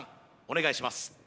お願いします